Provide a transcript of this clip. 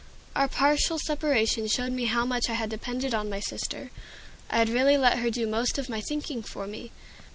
Our partial separation showed me how much I had depended upon my sister. I had really let her do most of my thinking for me.